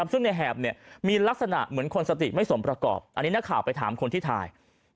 ซึ่งในแหบมีลักษณะเหมือนคนสติไม่สมประกอบอันนี้นักข่าวไปถามคนที่ถ่าย